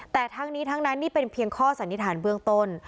แต่ทั้งนี้ทั้งนั้นนี่เป็นเพียงข้อสันนิษฐานเบื้องต้น